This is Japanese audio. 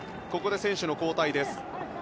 ここで選手交代です。